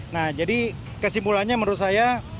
nah jadi kesimpulannya menurut saya